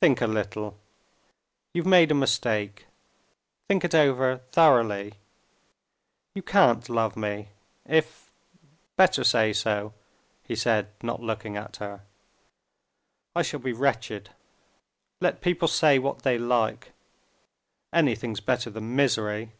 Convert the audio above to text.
Think a little. You've made a mistake. Think it over thoroughly. You can't love me.... If ... better say so," he said, not looking at her. "I shall be wretched. Let people say what they like; anything's better than misery....